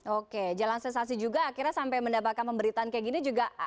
oke jalan sensasi juga akhirnya sampai mendapatkan pemberitaan kayak gini juga